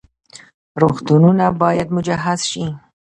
روغتونونه باید مجهز شي